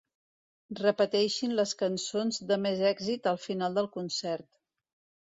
Repeteixin les cançons de més èxit al final del concert.